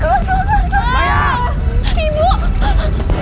tanter maya di dalam